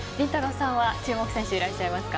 さんは注目選手いらっしゃいますか？